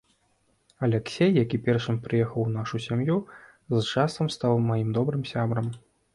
Аляксей, які першым прыехаў у нашу сям'ю, з часам стаў маім добрым сябрам.